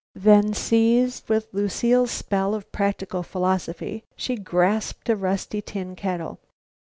Then, seized with Lucile's spell of practical philosophy, she grasped a rusty tin kettle.